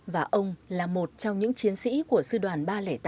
và ông là một trong những chiến sĩ của sư đoàn ba trăm linh tám